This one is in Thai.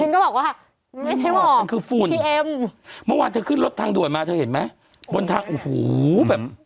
ก็บอกว่าไม่ใช่ว่ามันคือฝุ่นทีเอ็มเมื่อวานเธอขึ้นรถทางด่วนมาเธอเห็นไหมบนทางโอ้โหแบบ